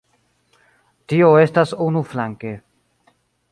Tio estas unuflanke.